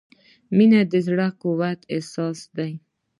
• مینه د زړۀ د قوت احساس دی.